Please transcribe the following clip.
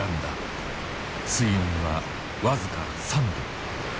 水温は僅か３度。